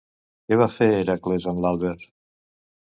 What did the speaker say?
Què va fer Hèracles amb l'àlber?